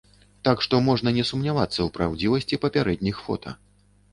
Так што можна не сумнявацца ў праўдзівасці папярэдніх фота.